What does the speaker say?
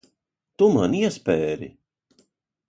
Tu man iespēri.